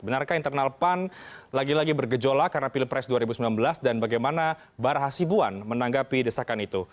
benarkah internal pan lagi lagi bergejolak karena pilpres dua ribu sembilan belas dan bagaimana barah hasibuan menanggapi desakan itu